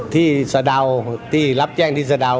ที่สดาวที่รับแจ้งที่สดาว